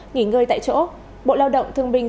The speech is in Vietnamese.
nghỉ ngơi tại chỗ bộ lao động thương minh